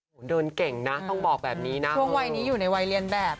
โอ้โหเดินเก่งนะต้องบอกแบบนี้นะช่วงวัยนี้อยู่ในวัยเรียนแบบ